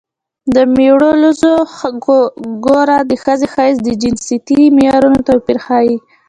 د مېړه لوز ګوره د ښځې ښایست د جنسیتي معیارونو توپیر ښيي